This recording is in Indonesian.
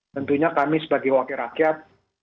tentunya kami sebagai wakil rakyat